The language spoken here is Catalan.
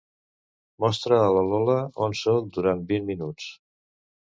Mostra a la Lola on soc durant vint minuts.